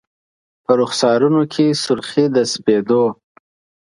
په رخسارونو کي سر خې د سپید و